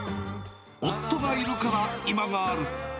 夫がいるから今がある。